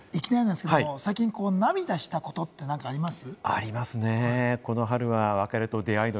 いきなりですけど、最近、涙したことって何かあります？